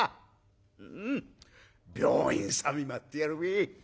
うん病院さ見舞ってやるべ。